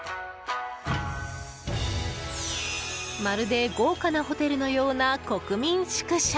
まるで豪華なホテルのような国民宿舎。